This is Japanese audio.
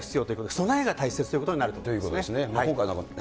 備えが大切ということになると思いますね。ということですね。